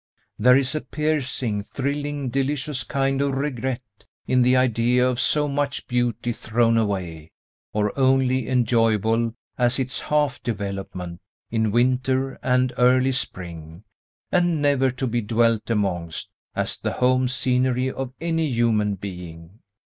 There is a piercing, thrilling, delicious kind of regret in the idea of so much beauty thrown away, or only enjoyable at its half development, in winter and early spring, and never to be dwelt amongst, as the home scenery of any human being.